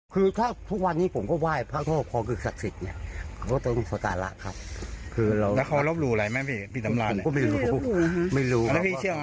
คือถ้าทุกวันนี้ผมก็ไหว้พระโทษพระคุณศักดิ์ศิษย์